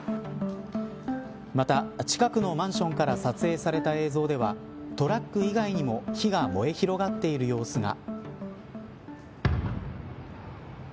また、近くのマンションから撮影された映像ではトラック以外にも火が燃え広がっている様子が。